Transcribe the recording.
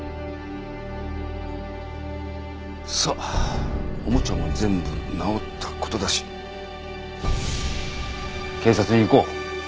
さあおもちゃも全部直った事だし警察に行こう。